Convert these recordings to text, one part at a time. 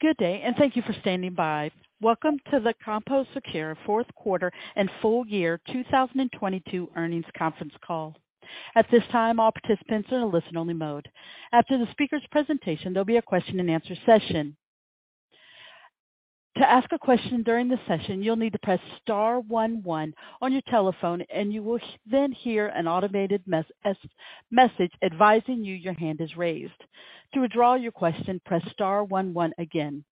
Good day, and thank you for standing by. Welcome to the CompoSecure fourth quarter and full year 2022 earnings conference call. At this time, all participants are in a listen-only mode. After the speaker's presentation, there'll be a question-and-answer session. To ask a question during the session, you'll need to press star one one on your telephone, and you will then hear an automated message advising you your hand is raised. To withdraw your question, press star one one again.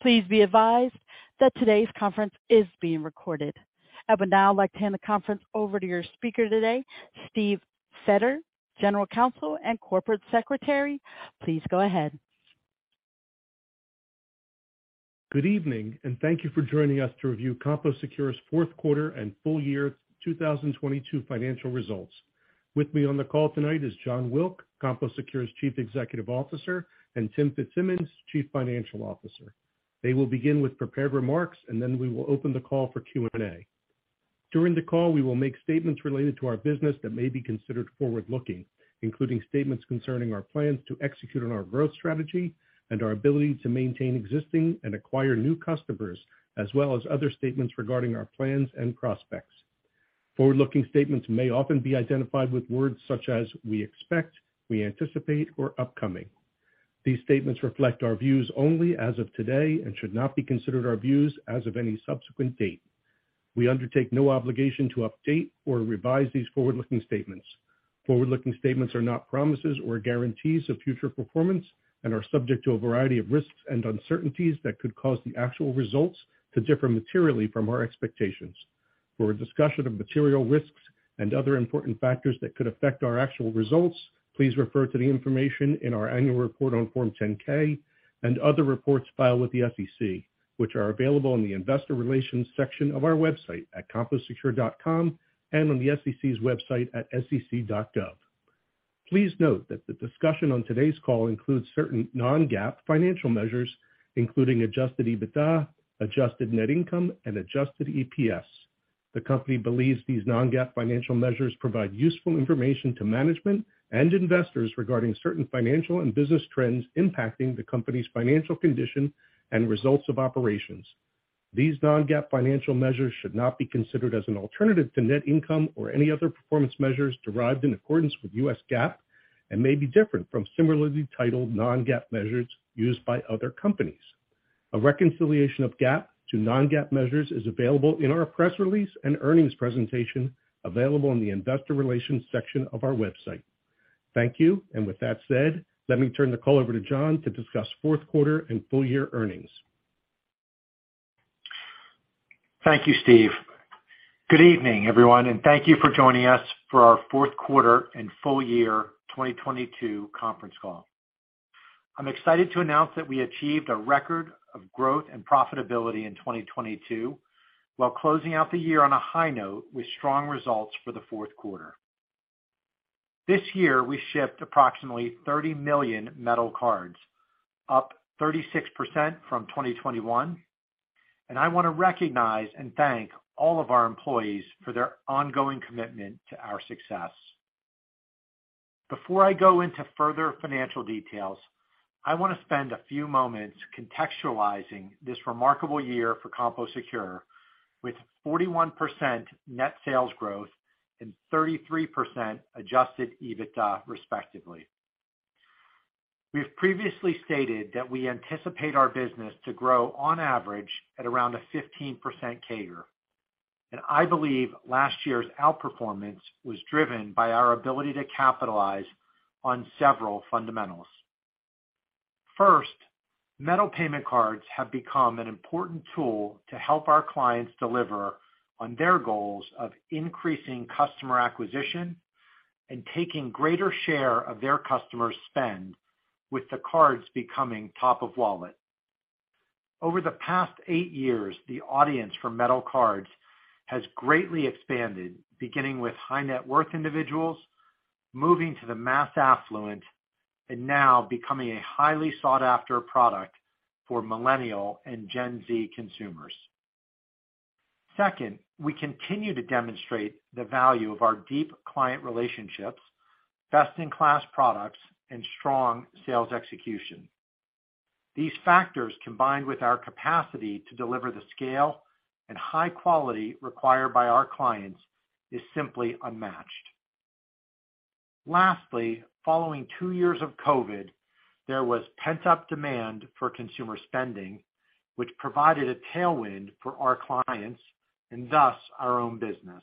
Please be advised that today's conference is being recorded. I would now like to hand the conference over to your speaker today, Steve Feder, General Counsel and Corporate Secretary. Please go ahead. Good evening, thank you for joining us to review CompoSecure's fourth quarter and full year 2022 financial results. With me on the call tonight is Jon Wilk, CompoSecure's Chief Executive Officer, and Tim Fitzsimmons, Chief Financial Officer. They will begin with prepared remarks, and then we will open the call for Q&A. During the call, we will make statements related to our business that may be considered forward-looking, including statements concerning our plans to execute on our growth strategy and our ability to maintain existing and acquire new customers, as well as other statements regarding our plans and prospects. Forward-looking statements may often be identified with words such as "we expect," "we anticipate," or "upcoming." These statements reflect our views only as of today and should not be considered our views as of any subsequent date. We undertake no obligation to update or revise these forward-looking statements. Forward-looking statements are not promises or guarantees of future performance and are subject to a variety of risks and uncertainties that could cause the actual results to differ materially from our expectations. For a discussion of material risks and other important factors that could affect our actual results, please refer to the information in our annual report on Form 10-K and other reports filed with the SEC, which are available in the investor relations section of our website at composecure.com and on the SEC's website at sec.gov. Please note that the discussion on today's call includes certain non-GAAP financial measures, including adjusted EBITDA, adjusted net income, and adjusted EPS. The company believes these non-GAAP financial measures provide useful information to management and investors regarding certain financial and business trends impacting the company's financial condition and results of operations. These non-GAAP financial measures should not be considered as an alternative to net income or any other performance measures derived in accordance with US GAAP and may be different from similarly titled non-GAAP measures used by other companies. A reconciliation of GAAP to non-GAAP measures is available in our press release and earnings presentation available in the investor relations section of our website. Thank you, and with that said, let me turn the call over to Jon to discuss fourth quarter and full-year earnings. Thank you, Steve. Good evening everyone and thank you for joining us for our fourth quarter and full year 2022 conference call. I'm excited to announce that we achieved a record of growth and profitability in 2022, while closing out the year on a high note with strong results for the fourth quarter. This year, we shipped approximately 30 million metal cards, up 36% from 2021, and I want to recognize and thank all of our employees for their ongoing commitment to our success. Before I go into further financial details, I want to spend a few moments contextualizing this remarkable year for CompoSecure with 41% net sales growth and 33% adjusted EBITDA, respectively. We've previously stated that we anticipate our business to grow on average at around a 15% CAGR, and I believe last year's outperformance was driven by our ability to capitalize on several fundamentals. First, metal payment cards have become an important tool to help our clients deliver on their goals of increasing customer acquisition and taking greater share of their customers' spend with the cards becoming top of wallet. Over the past eight years, the audience for metal cards has greatly expanded, beginning with high-net-worth individuals, moving to the mass affluent, and now becoming a highly sought-after product for Millennial and Gen Z consumers. Second, we continue to demonstrate the value of our deep client relationships, best-in-class products, and strong sales execution. These factors, combined with our capacity to deliver the scale and high quality required by our clients, is simply unmatched. Lastly, following two years of COVID, there was pent-up demand for consumer spending, which provided a tailwind for our clients and thus our own business.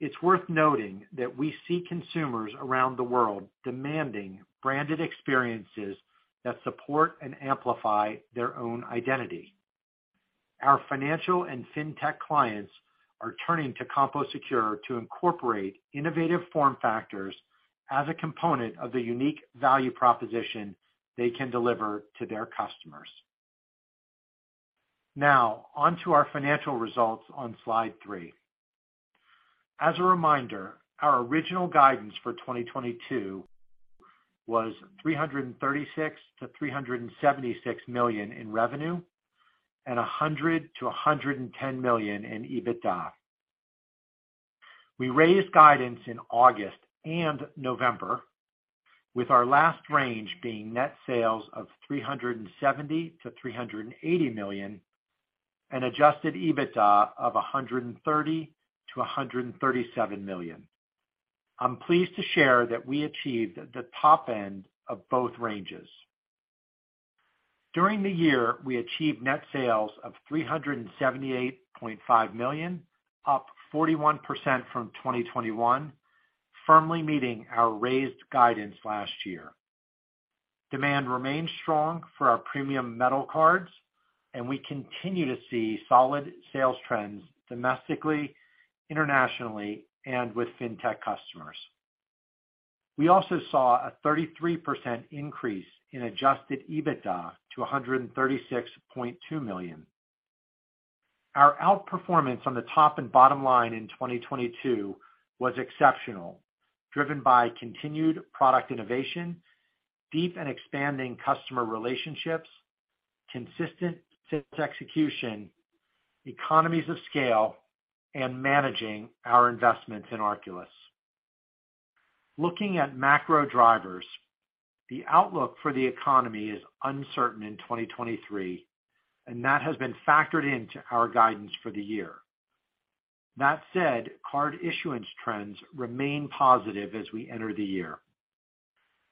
It's worth noting that we see consumers around the world demanding branded experiences that support and amplify their own identity. Our financial and fintech clients are turning to CompoSecure to incorporate innovative form factors as a component of the unique value proposition they can deliver to their customers. Now on to our financial results on slide three. As a reminder, our original guidance for 2022 was $336 million-$376 million in revenue and $100 million-$110 million in EBITDA. We raised guidance in August and November, with our last range being net sales of $370 million-$380 million and adjusted EBITDA of $130 million-$137 million. I'm pleased to share that we achieved the top end of both ranges. During the year, we achieved net sales of $378.5 million, up 41% from 2021, firmly meeting our raised guidance last year. Demand remains strong for our premium metal cards, and we continue to see solid sales trends domestically, internationally, and with Fintech customers. We also saw a 33% increase in adjusted EBITDA to $136.2 million. Our outperformance on the top and bottom line in 2022 was exceptional, driven by continued product innovation, deep and expanding customer relationships, consistent sales execution, economies of scale, and managing our investments in Arculus. Looking at macro drivers, the outlook for the economy is uncertain in 2023. That has been factored into our guidance for the year. That said, card issuance trends remain positive as we enter the year.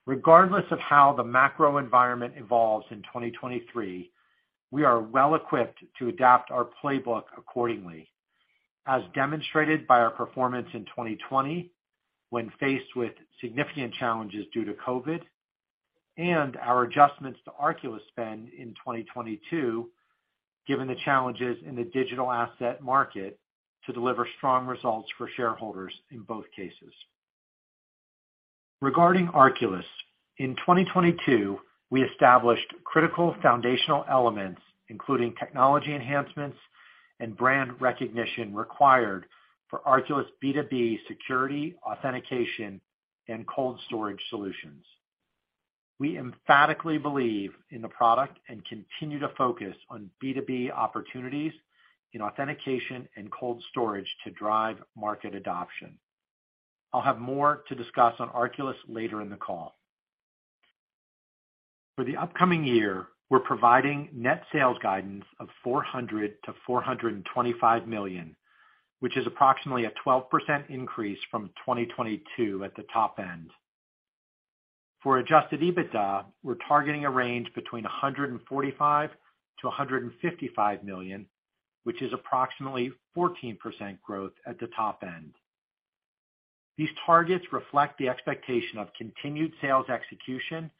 Regardless of how the macro environment evolves in 2023, we are well equipped to adapt our playbook accordingly. As demonstrated by our performance in 2020, when faced with significant challenges due to COVID, and our adjustments to Arculus spend in 2022, given the challenges in the digital asset market to deliver strong results for shareholders in both cases. Regarding Arculus, in 2022, we established critical foundational elements, including technology enhancements and brand recognition required for Arculus B2B security, authentication, and cold storage solutions. We emphatically believe in the product and continue to focus on B2B opportunities in authentication and cold storage to drive market adoption. I'll have more to discuss on Arculus later in the call. For the upcoming year, we're providing net sales guidance of $400 million-$425 million, which is approximately a 12% increase from 2022 at the top end. For adjusted EBITDA, we're targeting a range between $145 million-$155 million, which is approximately 14% growth at the top end. These targets reflect the expectation of continued sales execution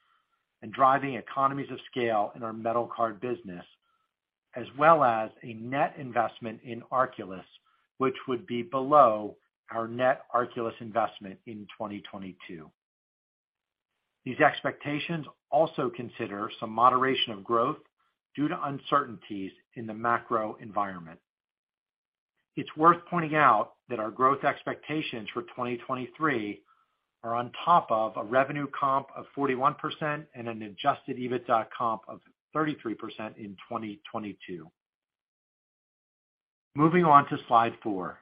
and driving economies of scale in our metal card business, as well as a net investment in Arculus, which would be below our net Arculus investment in 2022. These expectations also consider some moderation of growth due to uncertainties in the macro environment. It's worth pointing out that our growth expectations for 2023 are on top of a revenue comp of 41% and an adjusted EBITDA comp of 33% in 2022. Moving on to slide four.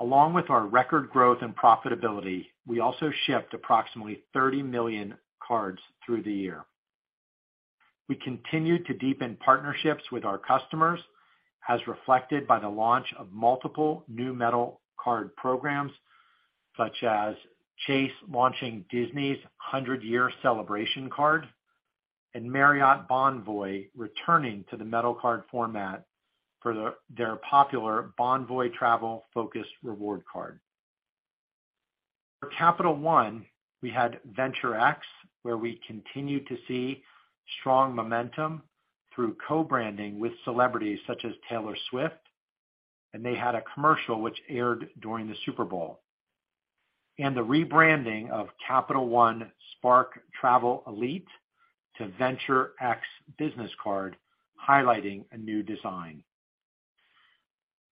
Along with our record growth and profitability, we also shipped approximately 30 million cards through the year. We continued to deepen partnerships with our customers, as reflected by the launch of multiple new metal card programs, such as Chase launching Disney's 100-year celebration card and Marriott Bonvoy returning to the metal card format for their popular Bonvoy travel-focused reward card. For Capital One, we had Venture X, where we continued to see strong momentum through co-branding with celebrities such as Taylor Swift. They had a commercial which aired during the Super Bowl. The rebranding of Capital One Spark Travel Elite to Venture X Business Card, highlighting a new design.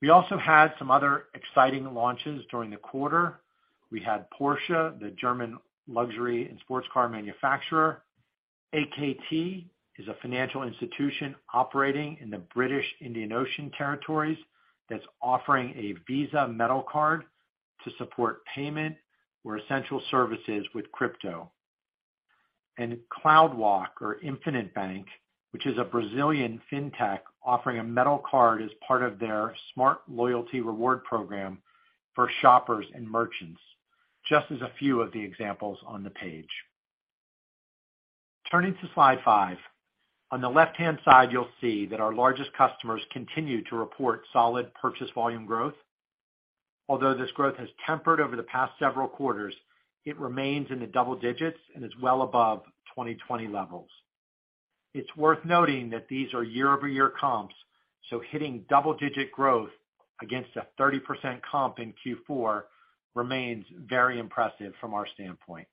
We also had some other exciting launches during the quarter. We had Porsche, the German luxury and sports car manufacturer. AKT is a financial institution operating in the British Indian Ocean Territories that's offering a Visa metal card to support payment or essential services with crypto. CloudWalk or InfiniteBank, which is a Brazilian fintech offering a metal card as part of their smart loyalty reward program for shoppers and merchants, just as a few of the examples on the page. Turning to slide five. On the left-hand side, you'll see that our largest customers continue to report solid purchase volume growth. Although this growth has tempered over the past several quarters, it remains in the double digits and is well above 2020 levels. It's worth noting that these are year-over-year comps, so hitting double-digit growth against a 30% comp in Q4 remains very impressive from our standpoint.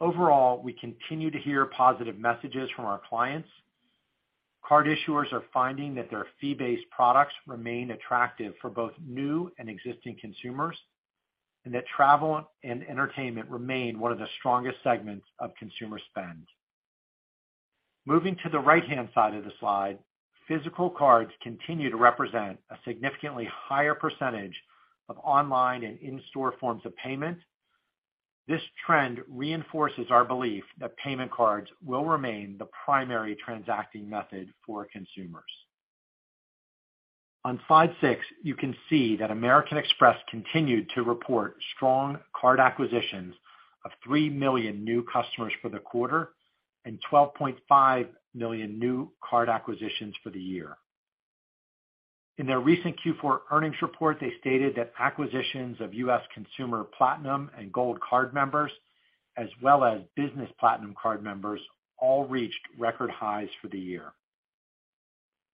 Overall, we continue to hear positive messages from our clients. Card issuers are finding that their fee-based products remain attractive for both new and existing consumers, and that travel and entertainment remain one of the strongest segments of consumer spend. Moving to the right-hand side of the slide, physical cards continue to represent a significantly higher percentage of online and in-store forms of payment. This trend reinforces our belief that payment cards will remain the primary transacting method for consumers. On slide six, you can see that American Express continued to report strong card acquisitions of three million new customers for the quarter and 12.5 million new card acquisitions for the year. In their recent Q4 earnings report, they stated that acquisitions of U.S. consumer Platinum and Gold Card members, as well as Business Platinum Card members, all reached record highs for the year.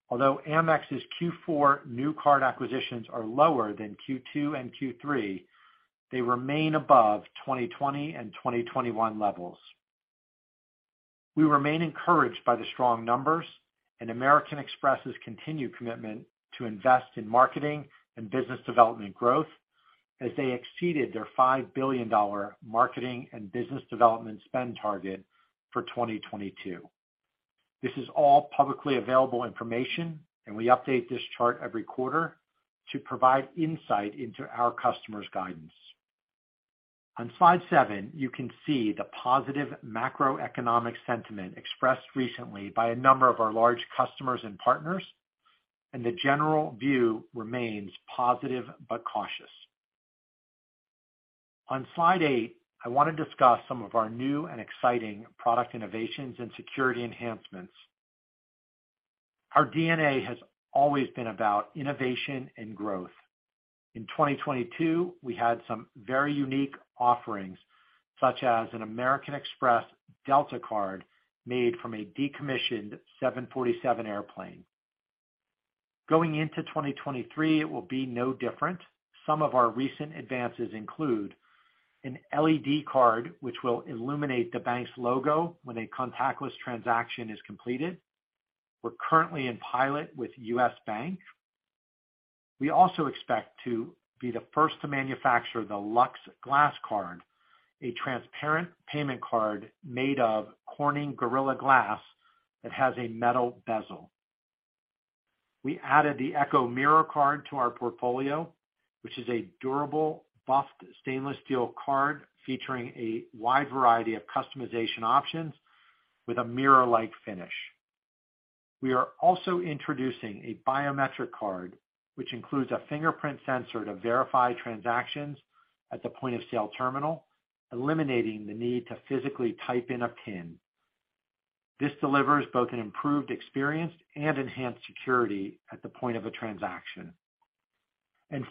Although Amex's Q4 new card acquisitions are lower than Q2 and Q3, they remain above 2020 and 2021 levels. We remain encouraged by the strong numbers and American Express's continued commitment to invest in marketing and business development growth as they exceeded their $5 billion marketing and business development spend target for 2022. This is all publicly available information, and we update this chart every quarter to provide insight into our customers' guidance. On slide seven, you can see the positive macroeconomic sentiment expressed recently by a number of our large customers and partners, and the general view remains positive but cautious. On slide eight, I want to discuss some of our new and exciting product innovations and security enhancements. Our DNA has always been about innovation and growth. In 2022, we had some very unique offerings, such as an American Express Delta card made from a decommissioned 747 airplane. Going into 2023, it will be no different. Some of our recent advances include an LED Card, which will illuminate the bank's logo when a contactless transaction is completed. We're currently in pilot with U.S. Bank. We also expect to be the first to manufacture the Lux Glass Card, a transparent payment card made of Corning Gorilla Glass that has a metal bezel. We added the Echo Mirror Card to our portfolio, which is a durable, buffed stainless steel card featuring a wide variety of customization options with a mirror-like finish. We are also introducing a biometric card, which includes a fingerprint sensor to verify transactions at the point-of-sale terminal, eliminating the need to physically type in a PIN. This delivers both an improved experience and enhanced security at the point of a transaction.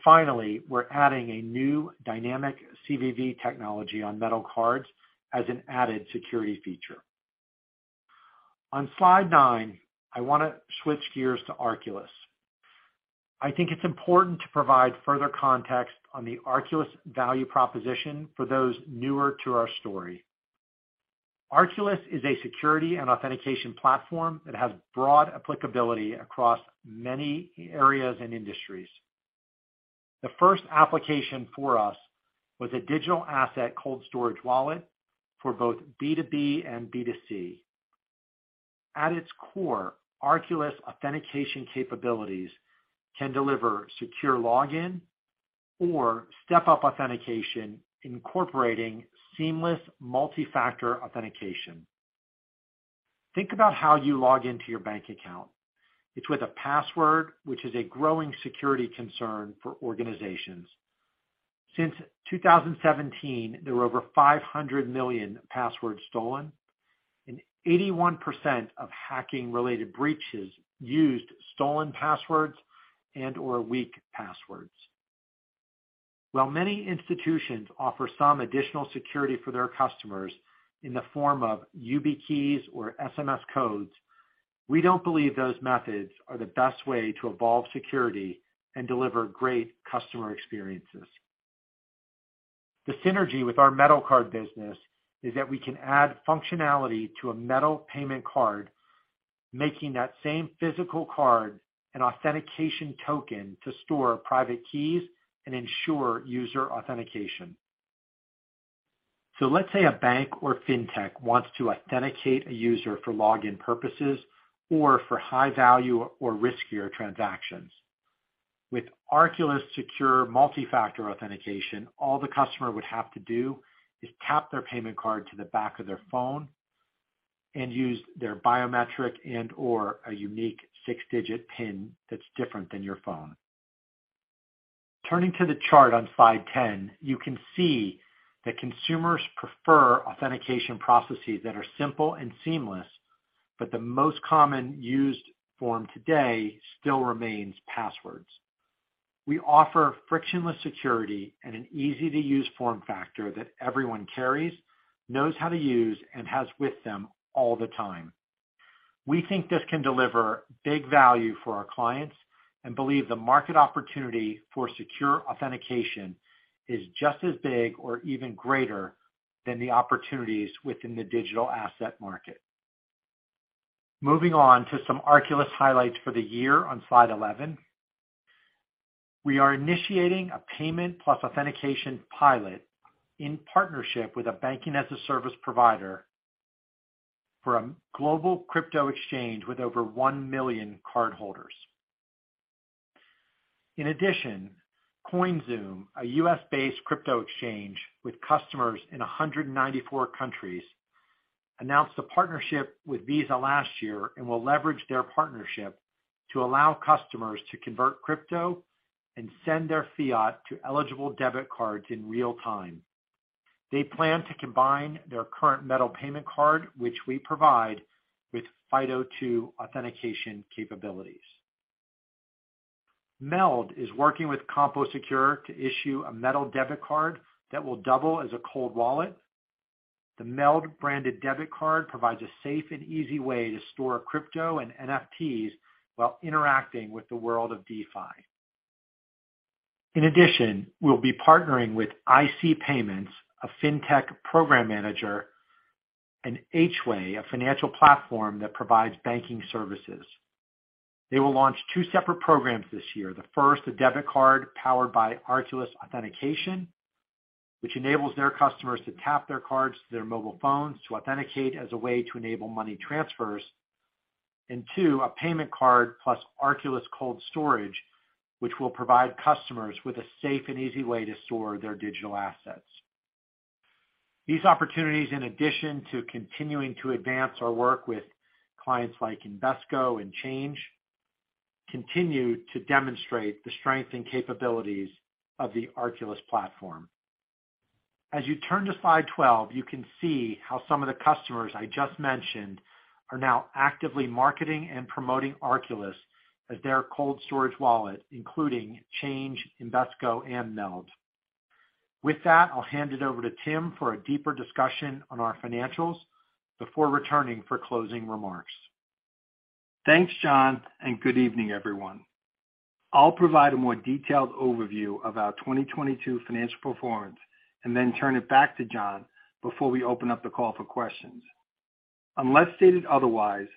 Finally, we're adding a new dynamic CVV technology on metal cards as an added security feature. On slide nine, I want to switch gears to Arculus. I think it's important to provide further context on the Arculus value proposition for those newer to our story. Arculus is a security and authentication platform that has broad applicability across many areas and industries. The first application for us was a digital asset cold storage wallet for both B2B and B2C. At its core, Arculus authentication capabilities can deliver secure login or step-up authentication, incorporating seamless multi-factor authentication. Think about how you log into your bank account. It's with a password, which is a growing security concern for organizations. Since 2017, there were over 500 million passwords stolen, and 81% of hacking-related breaches used stolen passwords and/or weak passwords. While many institutions offer some additional security for their customers in the form of YubiKeys or SMS codes, we don't believe those methods are the best way to evolve security and deliver great customer experiences. The synergy with our metal card business is that we can add functionality to a metal payment card, making that same physical card an authentication token to store private keys and ensure user authentication. Let's say a bank or fintech wants to authenticate a user for login purposes or for high-value or riskier transactions. With Arculus secure multi-factor authentication, all the customer would have to do is tap their payment card to the back of their phone and use their biometric and/or a unique 6-digit PIN that's different than your phone. Turning to the chart on slide 10, you can see that consumers prefer authentication processes that are simple and seamless. The most common used form today still remains passwords. We offer frictionless security and an easy-to-use form factor that everyone carries, knows how to use, and has with them all the time. We think this can deliver big value for our clients and believe the market opportunity for secure authentication is just as big or even greater than the opportunities within the digital asset market. Moving on to some Arculus highlights for the year on slide 11. We are initiating a payment plus authentication pilot in partnership with a banking-as-a-service provider for a global crypto exchange with over 1 million cardholders. CoinZoom, a U.S.-based crypto exchange with customers in 194 countries, announced a partnership with Visa last year and will leverage their partnership to allow customers to convert crypto and send their fiat to eligible debit cards in real time. They plan to combine their current metal payment card, which we provide, with FIDO2 authentication capabilities. MELD is working with CompoSecure to issue a metal debit card that will double as a cold wallet. The MELD branded debit card provides a safe and easy way to store crypto and NFTs while interacting with the world of DeFi. In addition, we'll be partnering with IC Payments, a fintech program manager, and H-Way, a financial platform that provides banking services. They will launch two separate programs this year. The first, a debit card powered by Arculus authentication which enables their customers to tap their cards to their mobile phones to authenticate as a way to enable money transfers. Two, a payment card plus Arculus cold storage, which will provide customers with a safe and easy way to store their digital assets. These opportunities, in addition to continuing to advance our work with clients like Invesco and Change, continue to demonstrate the strength and capabilities of the Arculus platform. As you turn to slide 12, you can see how some of the customers I just mentioned are now actively marketing and promoting Arculus as their cold storage wallet, including Change, Invesco, and MELD. With that, I'll hand it over to Tim for a deeper discussion on our financials before returning for closing remarks. Thanks Jon, and good evening everyone. I'll provide a more detailed overview of our 2022 financial performance and then turn it back to Jon before we open up the call for questions. Unless stated otherwise,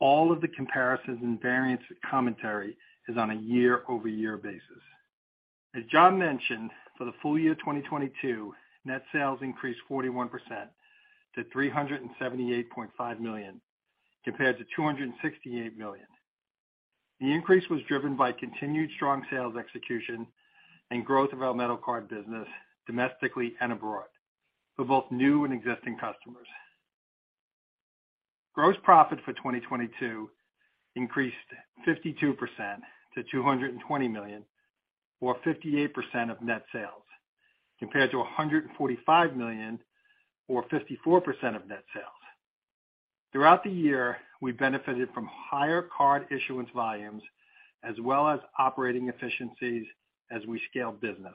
all of the comparisons and variance commentary is on a year-over-year basis. As Jon mentioned, for the full year 2022, net sales increased 41% to $378.5 million, compared to $268 million. The increase was driven by continued strong sales execution and growth of our metal card business domestically and abroad for both new and existing customers. Gross profit for 2022 increased 52% to $220 million, or 58% of net sales, compared to $145 million or 54% of net sales. Throughout the year, we benefited from higher card issuance volumes as well as operating efficiencies as we scaled business,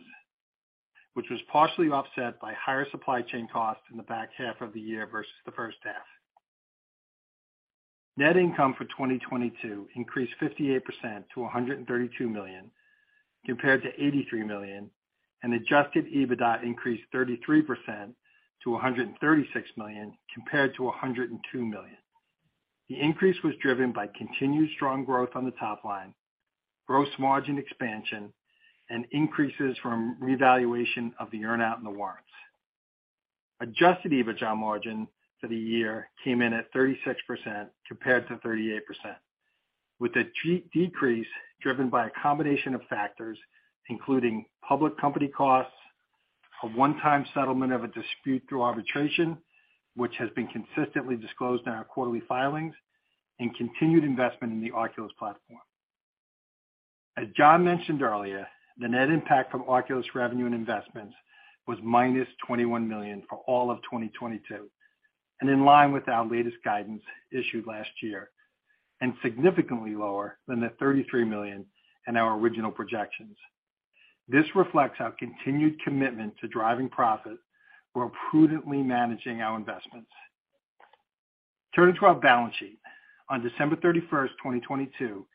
which was partially offset by higher supply chain costs in the back half of the year versus the first half. Net income for 2022 increased 58% to $132 million, compared to $83 million, and adjusted EBITDA increased 33% to $136 million, compared to $102 million. The increase was driven by continued strong growth on the top line, gross margin expansion, and increases from revaluation of the earn-out and the warrants. Adjusted EBITDA margin for the year came in at 36% compared to 38%, with the decrease driven by a combination of factors, including public company costs, a one-time settlement of a dispute through arbitration, which has been consistently disclosed in our quarterly filings, and continued investment in the Arculus platform. As Jon mentioned earlier, the net impact from Arculus revenue and investments was -$21 million for all of 2022 and in line with our latest guidance issued last year and significantly lower than the $33 million in our original projections. This reflects our continued commitment to driving profit while prudently managing our investments. Turning to our balance sheet. On December 31, 2022,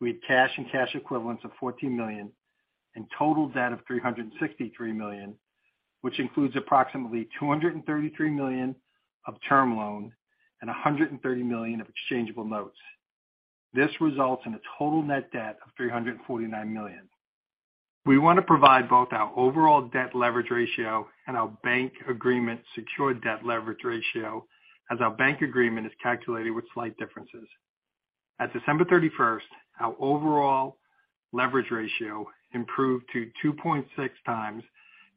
we had cash and cash equivalents of $14 million and total debt of $363 million, which includes approximately $233 million of term loan and $130 million of exchangeable notes. This results in a total net debt of $349 million. We want to provide both our overall debt leverage ratio and our bank agreement secured debt leverage ratio as our bank agreement is calculated with slight differences. At December 31, our overall leverage ratio improved to 2.6x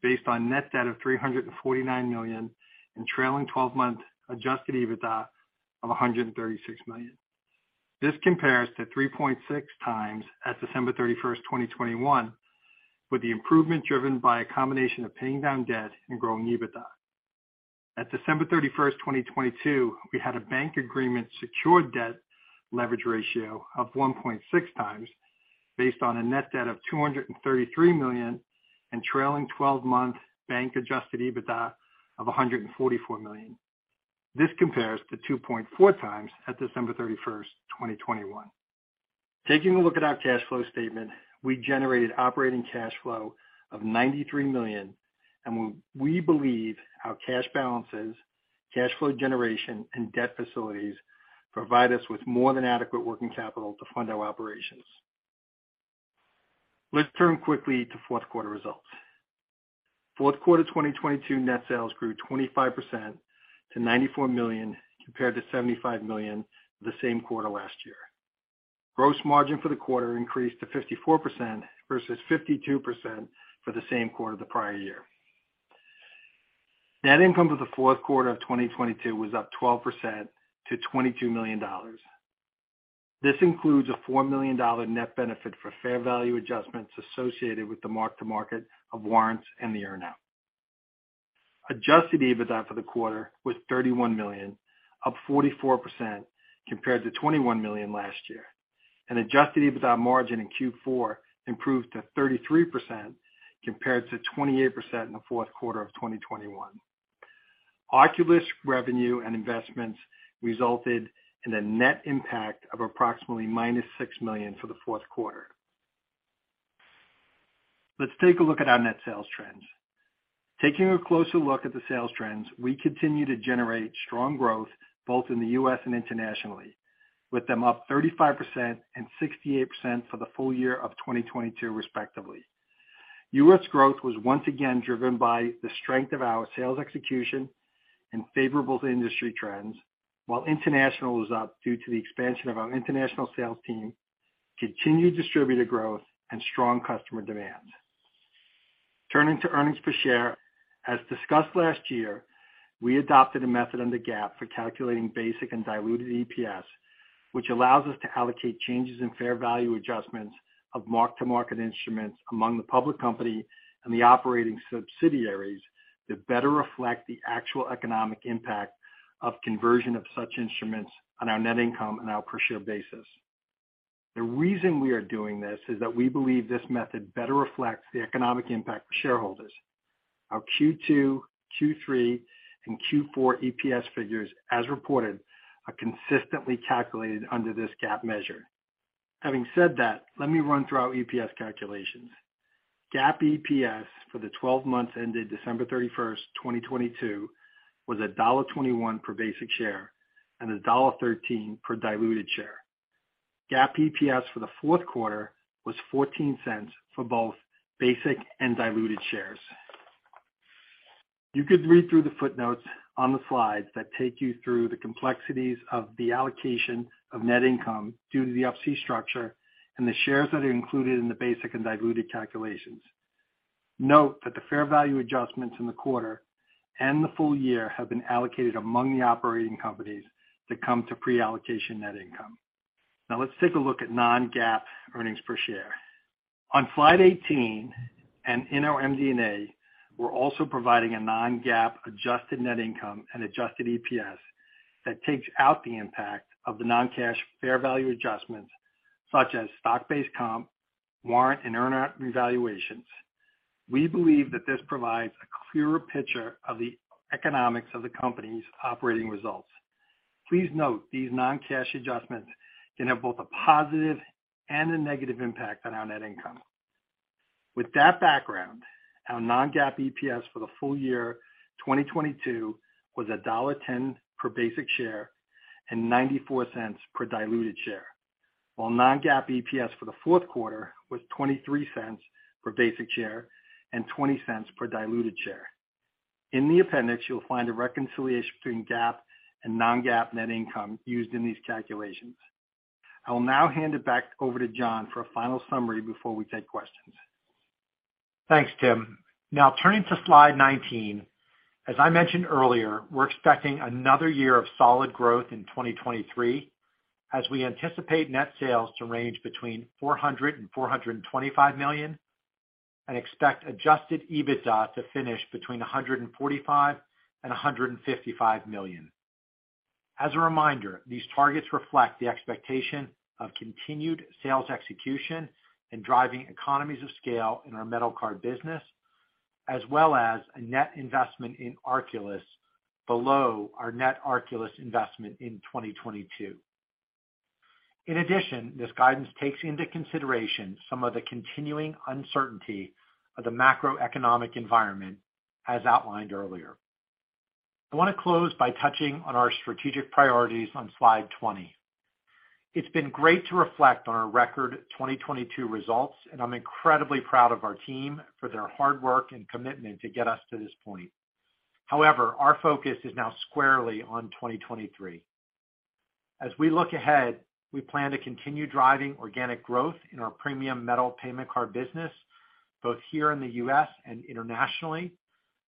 based on net debt of $349 million and trailing twelve-month adjusted EBITDA of $136 million. This compares to 3.6x at December 31, 2021, with the improvement driven by a combination of paying down debt and growing EBITDA. At December 31, 2022, we had a bank agreement secured debt leverage ratio of 1.6 times based on a net debt of $233 million and trailing 12-month bank adjusted EBITDA of $144 million. This compares to 2.4 times at December 31, 2021. Taking a look at our cash flow statement, we generated operating cash flow of $93 million. We believe our cash balances, cash flow generation, and debt facilities provide us with more than adequate working capital to fund our operations. Let's turn quickly to fourth quarter results. Fourth quarter 2022 net sales grew 25% to $94 million, compared to $75 million the same quarter last year. Gross margin for the quarter increased to 54%, versus 52% for the same quarter the prior year. Net income for the fourth quarter of 2022 was up 12% to $22 million. This includes a $4 million net benefit for fair value adjustments associated with the mark-to-market of warrants and the earnout. Adjusted EBITDA for the quarter was $31 million, up 44% compared to $21 million last year. Adjusted EBITDA margin in Q4 improved to 33% compared to 28% in the fourth quarter of 2021. Arculus revenue and investments resulted in a net impact of approximately -$6 million for the fourth quarter. Let's take a look at our net sales trends. Taking a closer look at the sales trends, we continue to generate strong growth both in the U.S. and internationally, with them up 35% and 68% for the full year of 2022 respectively. U.S. growth was once again driven by the strength of our sales execution and favorable to industry trends, while international was up due to the expansion of our international sales team, continued distributor growth, and strong customer demand. Turning to earnings per share. As discussed last year, we adopted a method under GAAP for calculating basic and diluted EPS, which allows us to allocate changes in fair value adjustments of mark-to-market instruments among the public company and the operating subsidiaries to better reflect the actual economic impact of conversion of such instruments on our net income on a per share basis. The reason we are doing this is that we believe this method better reflects the economic impact for shareholders. Our Q2, Q3, and Q4 EPS figures, as reported, are consistently calculated under this GAAP measure. Having said that, let me run through our EPS calculations. GAAP EPS for the 12 months ended December 31, 2022 was $1.21 per basic share and $1.13 per diluted share. GAAP EPS for the fourth quarter was $0.14 for both basic and diluted shares. You could read through the footnotes on the slides that take you through the complexities of the allocation of net income due to the Up-C structure and the shares that are included in the basic and diluted calculations. Note that the fair value adjustments in the quarter and the full year have been allocated among the operating companies that come to pre-allocation net income. Now let's take a look at non-GAAP earnings per share. On slide 18 and in our MD&A, we're also providing a non-GAAP adjusted net income and adjusted EPS that takes out the impact of the non-cash fair value adjustments such as stock-based comp, warrant, and earnout revaluations. We believe that this provides a clearer picture of the economics of the company's operating results. Please note these non-cash adjustments can have both a positive and a negative impact on our net income. With that background, our non-GAAP EPS for the full year 2022 was $1.10 per basic share and $0.94 per diluted share, while non-GAAP EPS for the fourth quarter was $0.23 per basic share and $0.20 per diluted share. In the appendix you'll find a reconciliation between GAAP and non-GAAP net income used in these calculations. I will now hand it back over to Jon for a final summary before we take questions. Thanks, Tim. Now turning to slide 19, as I mentioned earlier, we're expecting another year of solid growth in 2023, as we anticipate net sales to range between $400 million-$425 million, and expect adjusted EBITDA to finish between $145 million-$155 million. As a reminder, these targets reflect the expectation of continued sales execution and driving economies of scale in our metal card business, as well as a net investment in Arculus below our net Arculus investment in 2022. In addition, this guidance takes into consideration some of the continuing uncertainty of the macroeconomic environment as outlined earlier. I want to close by touching on our strategic priorities on slide 20. It's been great to reflect on our record 2022 results, and I'm incredibly proud of our team for their hard work and commitment to get us to this point. However, our focus is now squarely on 2023. As we look ahead, we plan to continue driving organic growth in our premium metal payment card business, both here in the U.S. and internationally,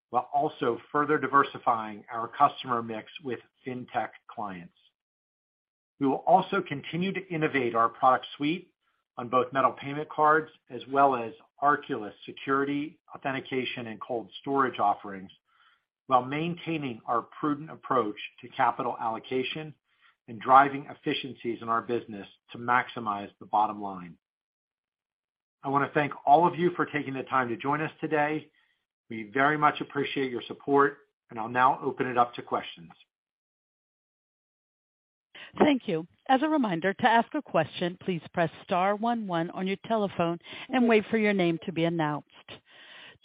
while also further diversifying our customer mix with fintech clients. We will also continue to innovate our product suite on both metal payment cards as well as Arculus security, authentication, and cold storage offerings while maintaining our prudent approach to capital allocation and driving efficiencies in our business to maximize the bottom line. I want to thank all of you for taking the time to join us today. We very much appreciate your support. I'll now open it up to questions. Thank you. As a reminder, to ask a question, please press star one one on your telephone and wait for your name to be announced.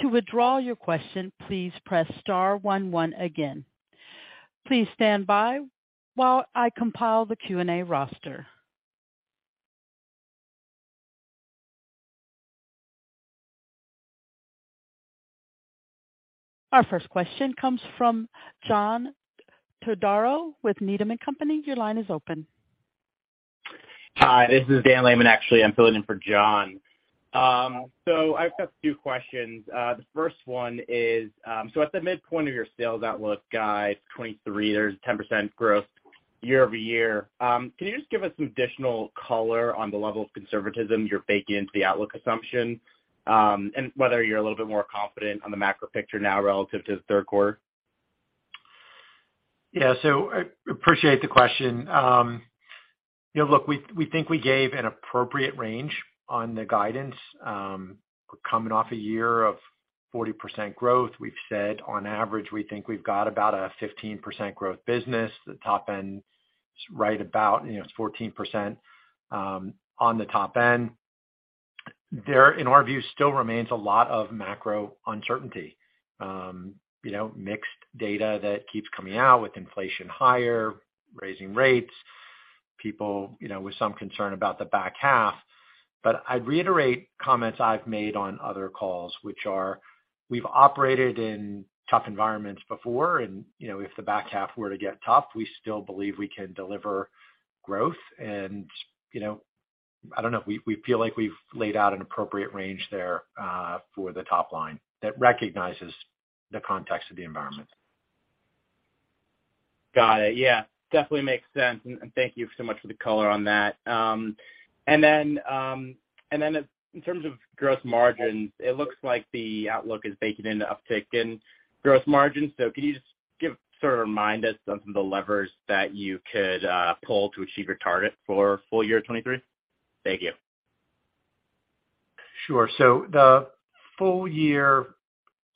To withdraw your question, please press star one one again. Please stand by while I compile the Q&A roster. Our first question comes from John Todaro with Needham & Company. Your line is open. Hi, this is Dan Lehman actually, I'm filling in for John. I've got a few questions. The first one is at the midpoint of your sales outlook guide 23, there's 10% growth year-over-year. Can you just give us some additional color on the level of conservatism you're baking into the outlook assumption, and whether you're a little bit more confident on the macro picture now relative to the third quarter? Yeah. I appreciate the question. You know, look, we think we gave an appropriate range on the guidance. We're coming off a year of 40% growth. We've said on average, we think we've got about a 15% growth business. The top end is right about, you know, it's 14%, on the top end. There, in our view, still remains a lot of macro uncertainty. You know, mixed data that keeps coming out with inflation higher, raising rates, people, you know, with some concern about the back half. I'd reiterate comments I've made on other calls, which are we've operated in tough environments before and, you know, if the back half were to get tough, we still believe we can deliver growth. You know, I don't know. We feel like we've laid out an appropriate range there, for the top line that recognizes the context of the environment. Got it. Yeah, definitely makes sense. Thank you so much for the color on that. In terms of gross margins, it looks like the outlook is baking in the uptick in gross margins. Could you just sort of remind us of some of the levers that you could pull to achieve your target for full year 2023? Thank you. Sure. The full year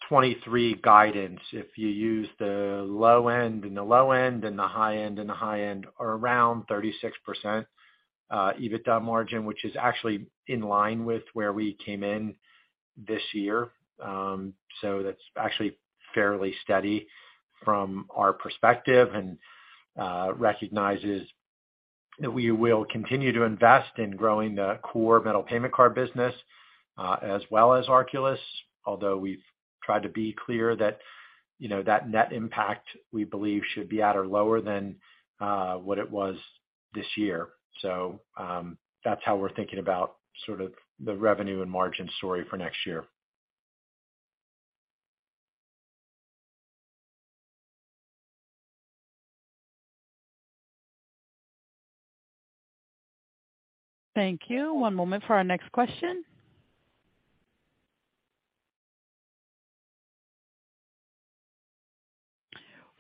2023 guidance, if you use the low end and the low end and the high end and the high end, are around 36% EBITDA margin, which is actually in line with where we came in this year. That's actually fairly steady from our perspective and recognizes that we will continue to invest in growing the core metal payment card business as well as Arculus, although we've tried to be clear that, you know that net impact, we believe, should be at or lower than what it was this year. That's how we're thinking about sort of the revenue and margin story for next year. Thank you. One moment for our next question.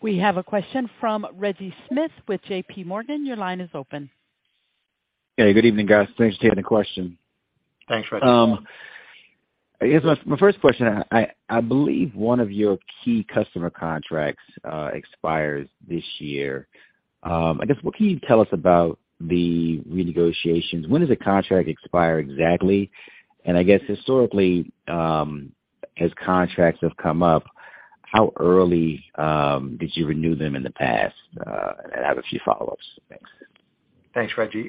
We have a question from Reggie Smith with JPMorgan. Your line is open. Hey, good evening guys. Thanks for taking the question. Thanks, Reggie. I guess my first question, I believe one of your key customer contracts expires this year. I guess what can you tell us about the renegotiations? When does the contract expire exactly? I guess historically, as contracts have come up, how early did you renew them in the past? I have a few follow-ups. Thanks. Thanks, Reggie.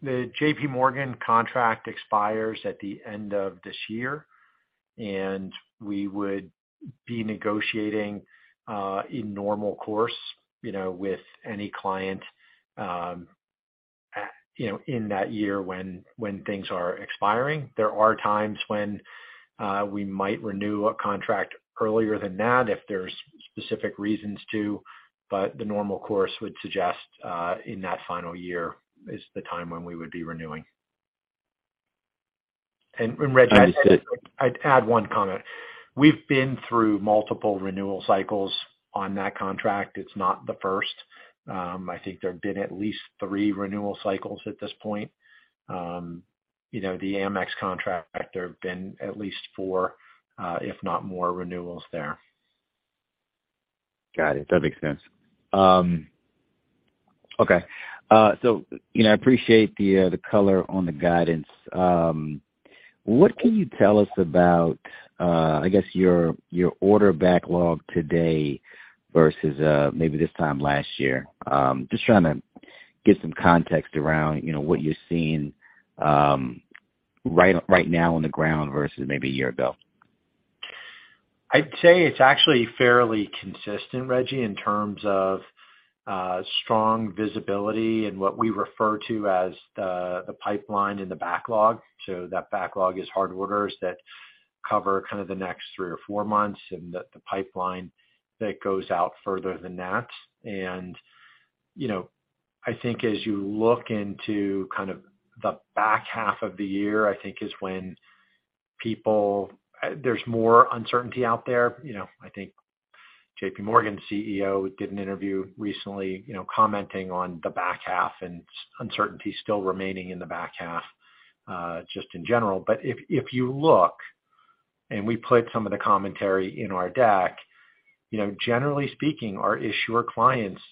The JPMorgan contract expires at the end of this year, and we would be negotiating, in normal course, you know, with any client, in that year when things are expiring. There are times when we might renew a contract earlier than that, if there's specific reasons to, but the normal course would suggest in that final year is the time when we would be renewing. Reggie- Understood. I'd add one comment. We've been through multiple renewal cycles on that contract. It's not the first. I think there have been at least three renewal cycles at this point. You know, the Amex contract, there have been at least four, if not more renewals there. Got it. That makes sense. Okay. You know, I appreciate the color on the guidance. What can you tell us about, I guess your order backlog today versus maybe this time last year? Just trying to get some context around, you know, what you're seeing, right now on the ground versus maybe a year ago. I'd say it's actually fairly consistent, Reggie, in terms of strong visibility and what we refer to as the pipeline and the backlog. That backlog is hard orders that cover kind of the next three or four months and the pipeline that goes out further than that. You know, I think as you look into kind of the back half of the year, I think is when people, there's more uncertainty out there. You know, I think JPMorgan's CEO did an interview recently, you know, commenting on the back half and uncertainty still remaining in the back half, just in general. If you look. And we put some of the commentary in our deck. You know, generally speaking, our issuer clients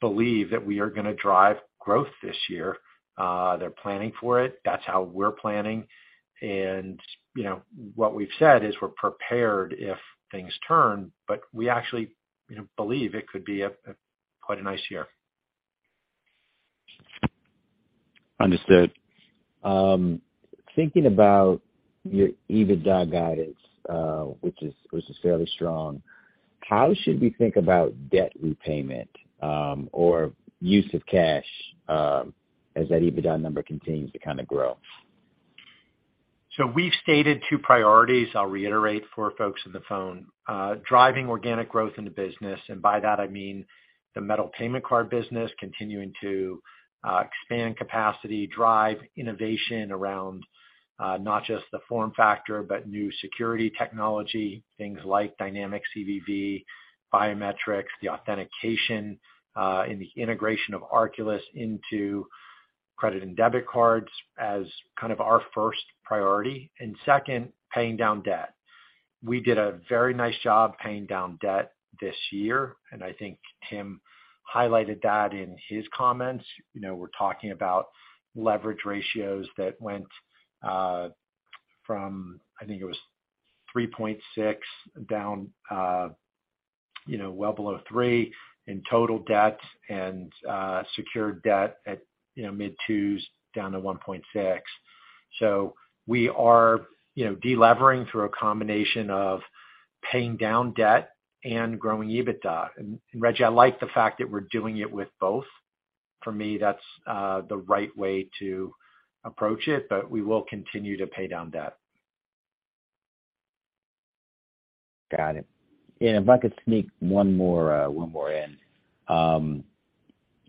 believe that we are gonna drive growth this year. They're planning for it. That's how we're planning. You know, what we've said is we're prepared if things turn, but we actually, you know, believe it could be quite a nice year. Understood. Thinking about your EBITDA guidance which is fairly strong, how should we think about debt repayment, or use of cash as that EBITDA number continues to kinda grow? We've stated two priorities I'll reiterate for folks on the phone. Driving organic growth in the business, and by that I mean the metal payment card business continuing to expand capacity, drive innovation around not just the form factor but new security technology, things like dynamic CVV, biometrics, the authentication, in the integration of Arculus into credit and debit cards as kind of our first priority. Second, paying down debt. We did a very nice job paying down debt this year, and I think Tim highlighted that in his comments. You know, we're talking about leverage ratios that went from, I think it was 3.6 down, you know, well below three in total debt and secured debt at, you know, mid-2s down to 1.6. We are, you know, de-levering through a combination of paying down debt and growing EBITDA. Reggie, I like the fact that we're doing it with both. For me, that's the right way to approach it. We will continue to pay down debt. Got it. If I could sneak one more in.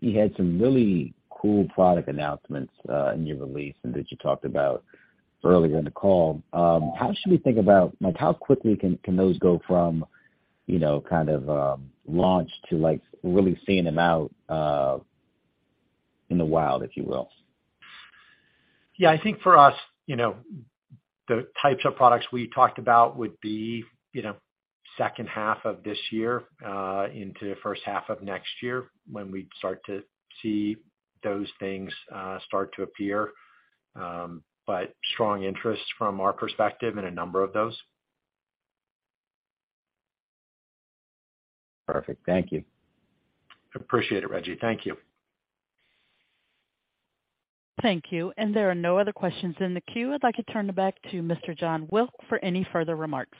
You had some really cool product announcements in your release and that you talked about earlier in the call. How should we think about like, how quickly can those go from, you know, kind of, launch to like really seeing them out in the wild, if you will? Yeah. I think for us, you know, the types of products we talked about would be, you know, second half of this year, into the first half of next year when we start to see those things, start to appear. Strong interest from our perspective in a number of those. Perfect. Thank you. Appreciate it, Reggie. Thank you. Thank you. There are no other questions in the queue. I'd like to turn it back to Mr. Jon Wilk for any further remarks.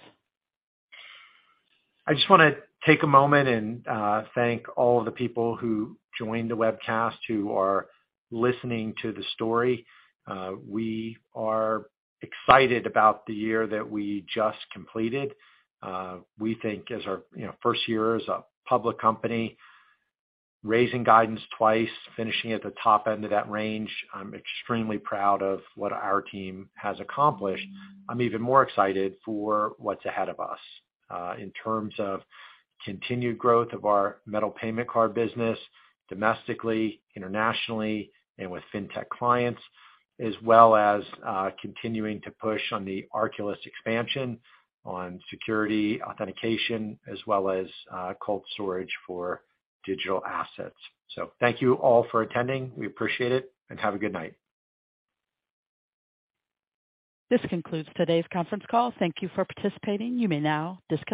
I just wanna take a moment and thank all of the people who joined the webcast, who are listening to the story. We are excited about the year that we just completed. We think as our, you know, first year as a public company, raising guidance twice, finishing at the top end of that range, I'm extremely proud of what our team has accomplished. I'm even more excited for what's ahead of us in terms of continued growth of our metal payment card business domestically, internationally, and with fintech clients, as well as continuing to push on the Arculus expansion on security authentication, as well as cold storage for digital assets. Thank you all for attending. We appreciate it and have a good night. This concludes today's conference call. Thank you for participating. You may now disconnect.